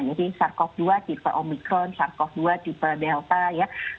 jadi sars cov dua tipe omikron sars cov dua tipe delta ya